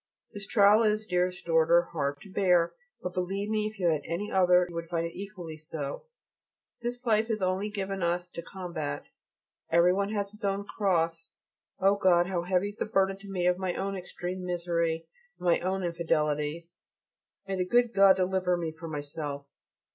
This trial is, dearest daughter, hard to bear, but believe me if you had any other you would find it equally so. This life is only given us to combat. Every one has his own cross. Oh God! how heavy is the burden to me of my own extreme misery and of my own infidelities! May the good God deliver me from myself!